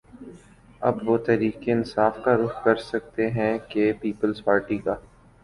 اب وہ تحریک انصاف کا رخ کر سکتے ہیں کہ پیپلز پارٹی کا